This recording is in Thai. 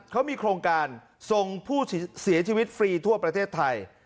เขามีโครงการส่งผู้เสียชีวิตฟรีทั่วประเทศไทย